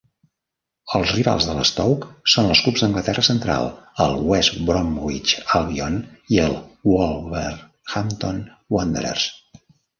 Els rivals de l'Stoke són els clubs d'Anglaterra central; el West Bromwich Albion i el Wolverhampton Wanderers.